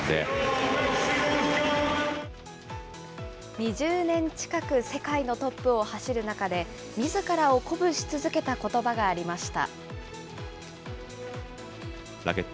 ２０年近く世界のトップを走る中で、みずからを鼓舞し続けたことばがありました。